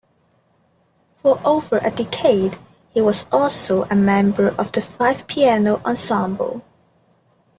For over a decade, he was also a member of the Five Piano Ensemble.